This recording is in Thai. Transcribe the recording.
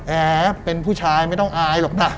แอ๋เป็นผู้ชายไม่ต้องอายหรอกนะ